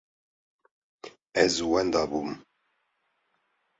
Ez wenda bûm.